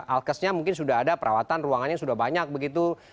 alkesnya mungkin sudah ada perawatan ruangannya sudah banyak begitu